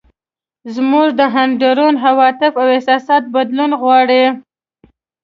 زموږ د اندرون عواطف او احساسات بدلول غواړي.